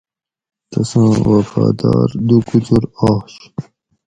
تساں وفادار دُو کُچر آش